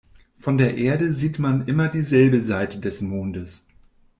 Von der Erde sieht man immer dieselbe Seite des Mondes.